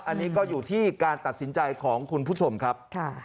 อันนี้ก็อยู่ที่การตัดสินใจของคุณผู้ชมครับ